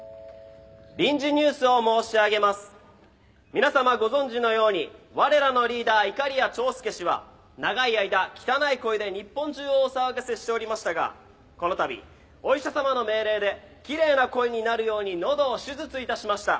皆さまご存じのようにわれらのリーダーいかりや長介氏は長い間汚い声で日本中をお騒がせしておりましたがこのたびお医者さまの命令で奇麗な声になるように喉を手術いたしました。